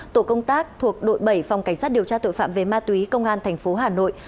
tổ công tác thuộc đội bảy phòng cảnh sát điều tra tội phạm về ma túy công an thành phố hà nội